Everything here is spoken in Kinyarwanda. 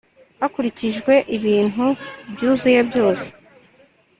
hakurikijwe ibintu byuzuye byose